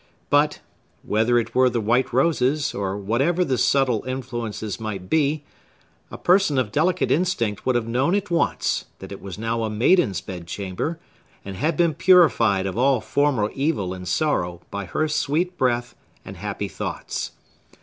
But—whether it were the white roses, or whatever the subtile influence might be—a person of delicate instinct would have known at once that it was now a maiden's bedchamber, and had been purified of all former evil and sorrow by her sweet breath and happy thoughts.